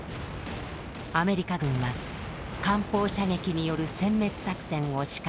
アメリカ軍は艦砲射撃による殲滅作戦を仕掛けます。